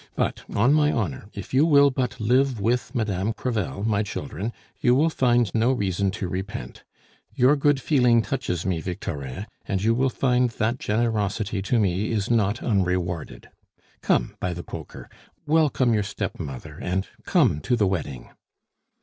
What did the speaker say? "But, on my honor, if you will but live with Madame Crevel, my children, you will find no reason to repent. Your good feeling touches me, Victorin, and you will find that generosity to me is not unrewarded. Come, by the Poker! welcome your stepmother and come to the wedding."